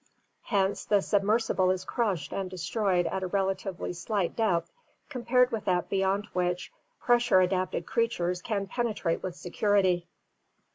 Hence the submersible is crushed and destroyed at a relatively slight depth compared with that beyond which pressure adapted creatures can penetrate with security.